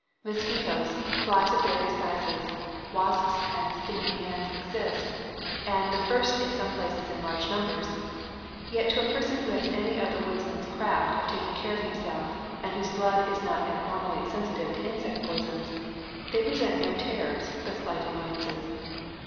Mosquitoes, flies of various sizes, wasps and stinging ants exist, and the first in some places in large numbers ; yet to a person who has any of the woodsman's craft of taking care of himself, and whose blood is not abnormally sensitive to insect poisons, they pre sent no terrors and but slight annoyances.